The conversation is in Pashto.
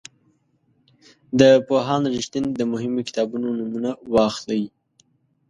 د پوهاند رښتین د مهمو کتابونو نومونه واخلئ.